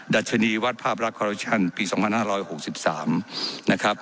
ดัชนีวัดภาพลักษณ์ปีสองพันห้าร้อยหกสิบสามนะครับ